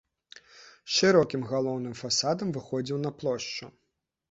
Шырокім галоўным фасадам выходзіў на плошчу.